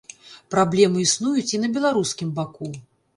Праблемы існуюць і на беларускім баку.